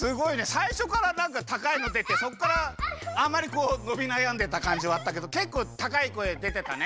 さいしょからなんかたかいのでてそっからあんまりこうのびなやんでたかんじはあったけどけっこうたかい声でてたね。